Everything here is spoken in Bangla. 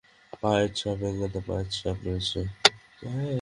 পায়ের ছাপ, একগাদা পায়ের ছাপ রয়েছে।